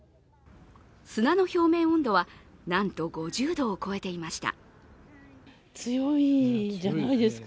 砂の表面温度はなんと５０度を超えていました。